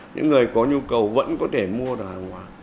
những người có nhu cầu vẫn có thể mua được hàng hóa